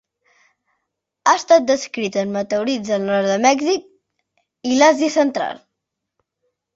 Ha estat descrit en meteorits del nord de Mèxic i l'Àsia central.